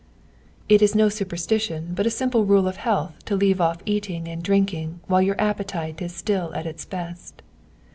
"It is no superstition, but a simple rule of health to leave off eating and drinking while your appetite is still at its best."